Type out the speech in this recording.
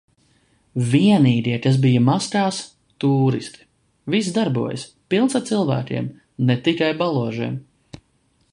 Vienīgie, kas bija maskās – tūristi. Viss darbojas. Pilns ar cilvēkiem, ne tikai baložiem.